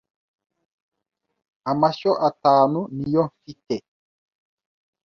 amashyo atanu niyo mfite